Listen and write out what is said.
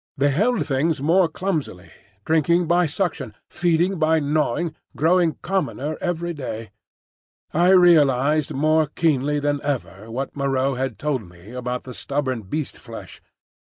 They held things more clumsily; drinking by suction, feeding by gnawing, grew commoner every day. I realised more keenly than ever what Moreau had told me about the "stubborn beast flesh."